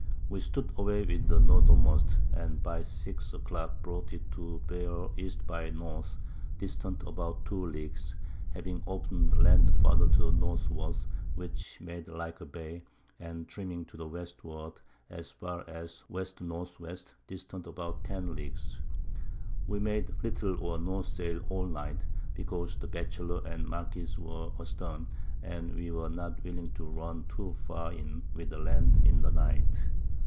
We stood away with the Northermost, and by 6 a Clock brought it to bear E. by N. distant about 2 Leagues, having open'd Land farther to the Northward, which made like a Bay, and trimming to the Westward as far as W. N. W. distant about 10 Leagues. We made little or no Sail all Night, because the Batchelor and Marquiss were a stern, and we were not willing to run too far in with the Land in the Night.